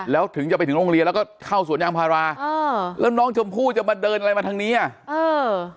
แล้วถึงจะไปถึงโรงเรียนแล้วก็เข้าสวนยางพาราอ่าแล้วน้องชมพู่จะมาเดินอะไรมาทางนี้อ่ะเออ